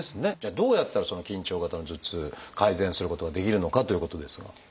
じゃあどうやったらその緊張型頭痛改善することができるのかということですが。